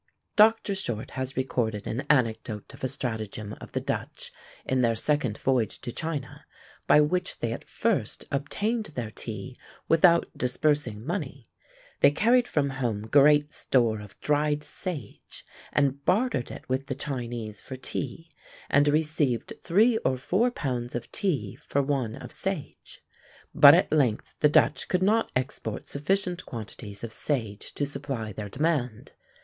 Dr. Short has recorded an anecdote of a stratagem of the Dutch in their second voyage to China, by which they at first obtained their tea without disbursing money; they carried from home great store of dried sage, and bartered it with the Chinese for tea, and received three or four pounds of tea for one of sage: but at length the Dutch could not export sufficient quantities of sage to supply their demand.